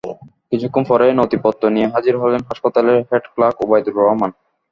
কিছুক্ষণ পরেই নথিপত্র নিয়ে হাজির হলেন হাসপাতালের হেড ক্লার্ক ওবায়দুর রহমান।